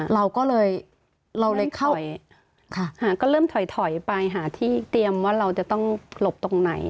เราก็เลยเราเลยเข้าหาก็เริ่มถอยไปหาที่เตรียมว่าเราจะต้องหลบตรงไหน